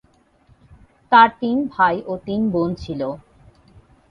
তার তিন ভাই ও তিন বোন ছিল।